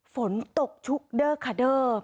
ฝนตกชุกเด้อค่ะเด้อ